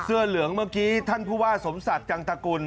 เสื้อเหลืองเมื่อกี้ท่านผู้ว่าสมศักดิ์จังตกุล